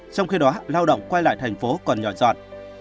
trong khi đó lao động quay lại thành phố còn nhỏ giọt